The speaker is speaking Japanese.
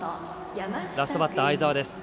ラストバッター、相澤です。